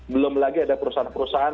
belum lagi ada perusahaan perusahaan